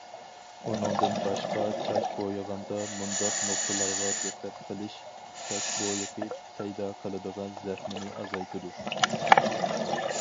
ئۇنىڭدىن باشقا، چاچ بويىغاندا مۇنداق نۇقتىلارغا دىققەت قىلىش چاچ بويىقى پەيدا قىلىدىغان زەخمىنى ئازايتىدۇ.